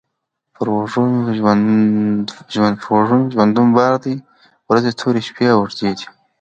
پر اوږو مي ژوندون بار دی ورځي توري، شپې اوږدې